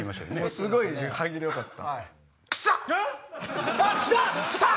すごい歯切れよかった。